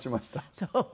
そう。